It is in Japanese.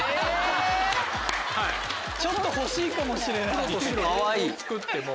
ちょっと欲しいかもしれない。